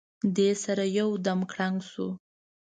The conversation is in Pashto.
دې سره یو دم کړنګ شو.